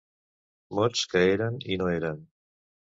Mots que eren i no eren.